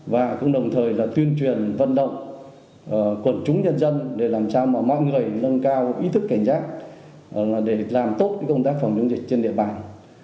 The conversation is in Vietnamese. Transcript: và cũng đồng thời là tuyên truyền vận động quần chúng nhân dân để làm sao mà mọi người nâng cao ý thức cảnh giác để làm tốt công tác phòng chống dịch trên địa bàn